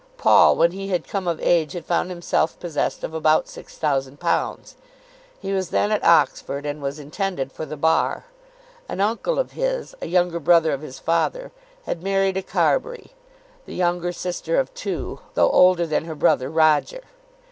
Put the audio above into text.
Paul when he had come of age had found himself possessed of about £6,000. He was then at Oxford, and was intended for the bar. An uncle of his, a younger brother of his father, had married a Carbury, the younger sister of two, though older than her brother Roger.